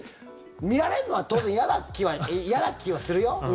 見られるのは当然、嫌な気はするよ。